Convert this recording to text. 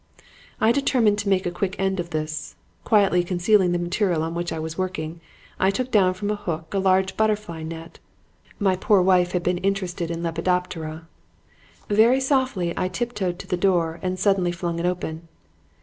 "I determined to make an end of this. Quietly concealing the material on which I was working, I took down from a hook a large butterfly net (my poor wife had been interested in Lepidoptera). Very softly I tiptoed to the door and suddenly flung it open.